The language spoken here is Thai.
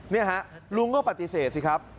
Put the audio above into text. นี่ฮะลุงก็ปฏิเสธสิครับ